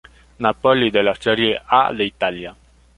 Napoli de la Serie A de Italia.